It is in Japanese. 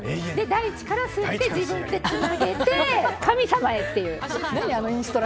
大地から吸い上げて、つなげて神様へっていう。